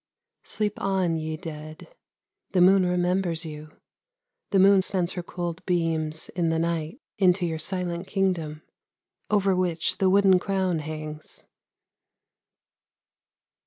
Sleep on, ye Dead! The moon remembers you, the moon sends her cold beams in the night into your silent kingdom over which the wooden crown hangs."